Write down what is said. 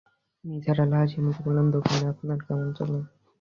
নিসার আলি হাসিমুখে বললেন, দোকান আপনার কেমন চলে?